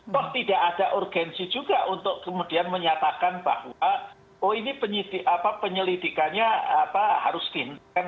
bahwa tidak ada urgensi juga untuk kemudian menyatakan bahwa penyelidikannya harus dihentikan